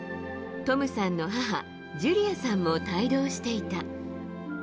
トムさんの母、ジュリアさんも帯同していた。